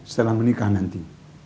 setelah menikah nanti